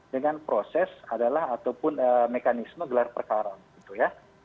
dengan proses adalah ataupun mekanisme gelar perkara gitu ya